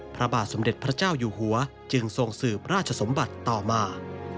พระบาทสมเด็จพระเจ้าอยู่หัวจึงทรงสืบราชสมบัติต่อมา